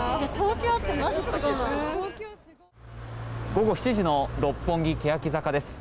午後７時の六本木・けやき坂です。